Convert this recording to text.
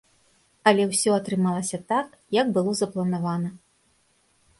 Але ўсё атрымалася так, як было запланавана.